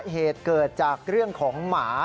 เหตุเกิดจากเรื่องของหมา